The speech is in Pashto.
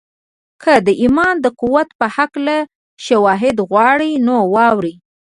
که د ایمان د قوت په هکله شواهد غواړئ نو واورئ